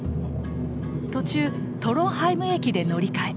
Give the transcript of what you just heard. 途中トロンハイム駅で乗り換え。